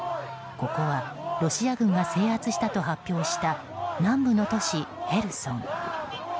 ここはロシア軍が制圧したと発表した南部の都市ヘルソン。